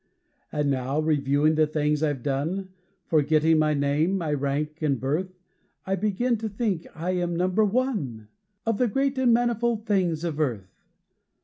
And now, reviewing the things I've done, Forgetting my name, my rank and birth, I begin to think I am number ONE, Of the great and manifold things of earth.